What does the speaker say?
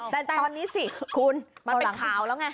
แต่ตอนนี้สิคุณมันเป็นข่าวแล้วไง